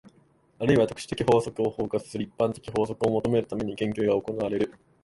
あるいは特殊的法則を包括する一般的法則を求めるために、研究が行われる。